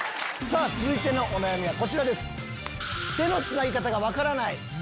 続いてのお悩みはこちらです。